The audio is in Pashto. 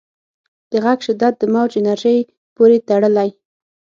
د غږ شدت د موج انرژۍ پورې تړلی.